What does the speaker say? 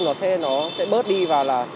nó sẽ bớt đi vào là